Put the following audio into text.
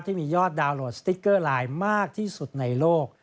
ที่มียอดดาวนโหลดสติ๊กเกอร์ไลน์มากที่สุดในโลก